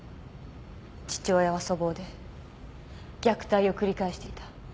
父親は粗暴で虐待を繰り返していた。